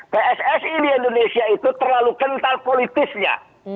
pssi di indonesia itu terlalu kental politisnya